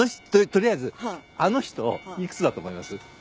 取りあえずあの人幾つだと思います？